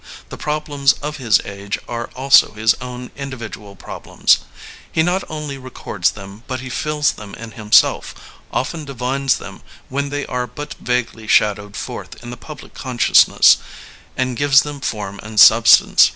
The problems of his age are also his own individual problems. He not only re cords them, but he feels them in himself, often divines them when they are but vaguely shadowed forth in the public consciousness, and gives them form and substance.